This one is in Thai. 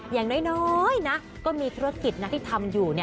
อย่างน้อยนะก็มีธุรกิจที่ทำอยู่